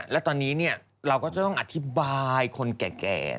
และตอนนี้เราก็จะต้องอธิบายคนแก่